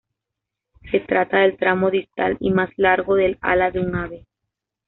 Se trata del tramo distal y más largo del ala de un ave.